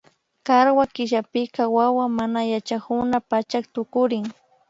Karwa killapika wawa manayachakuna pachak tukurin